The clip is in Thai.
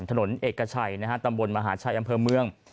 ถนนเอกชัยตำบลมหาชัยอำเภอเมือง